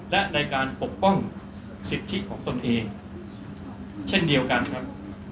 และในการปกป้องสิทธิของตนเองเช่นเดียวกันครับ